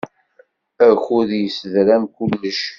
Akud yessedram kullec.